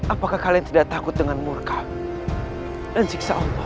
apakah kalian tidak takut dengan murka dan ciksa allah